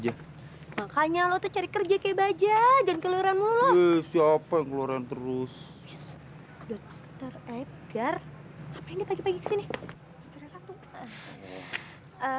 aku sudah ketemu sama mama